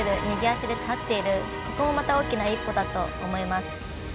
右足で立っているここも大きな一歩だと思います。